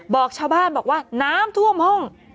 บอกชาวบ้านบอกว่าน้ำท่วมห้อง